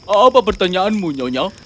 apa pertanyaanmu nyonya